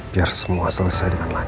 biar semua selesai dengan baik